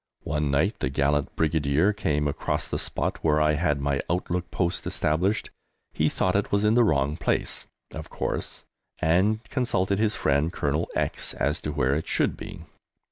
One night the gallant Brigadier came across the spot where I had my outlook post established; he thought it was in the wrong place, of course, and consulted his friend, Colonel X, as to where it should be.